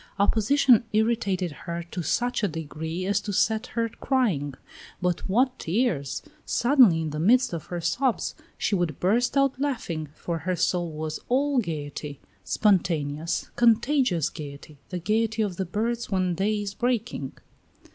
Opposition irritated her to such a degree as to set her crying. But what tears! Suddenly, in the midst of her sobs, she would burst out laughing, for her soul was all gayety, spontaneous, contagious gayety, the gayety of the birds when day is breaking.